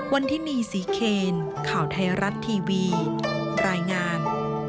วันที่นี่ศรีเคนข่าวไทยรัฐทีวีรายงาน